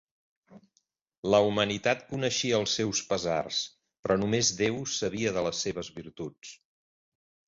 La humanitat coneixia els seus pesars, però només Déu sabia de les seves virtuts.